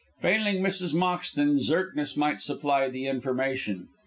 Failing Mrs. Moxton, Zirknitz might supply the information.